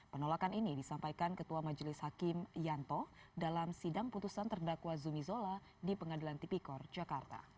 penolakan ini disampaikan ketua majelis hakim yanto dalam sidang putusan terdakwa zumi zola di pengadilan tipikor jakarta